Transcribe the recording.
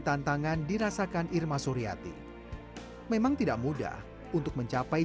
dan tiba tiba saat ada penjajahan beran aku bisa men beaten seni itu